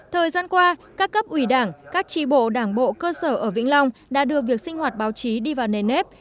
thời gian qua các cấp ủy đảng các tri bộ đảng bộ cơ sở ở vĩnh long đã đưa việc sinh hoạt báo chí đi vào nền nếp